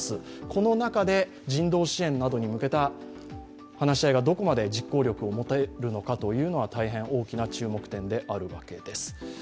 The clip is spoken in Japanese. この中で人道支援などに向けた話し合いがどこまで実効力を持てるのか大変大きな注目点であるわけです。